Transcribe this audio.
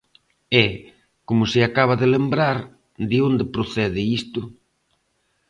E, como se acaba de lembrar, ¿de onde procede isto?